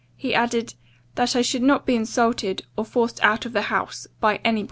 He added, 'that I should not be insulted, or forced out of the house, by any body.